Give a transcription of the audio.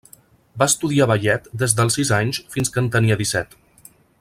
Va estudiar ballet des dels sis anys fins que en tenia disset.